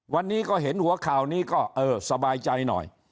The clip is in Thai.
วันนี้ก็เห็นหัวข่าวนี้ก็เออสบายใจหน่อย